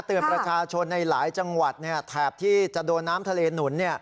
ประชาชนในหลายจังหวัดแถบที่จะโดนน้ำทะเลหนุน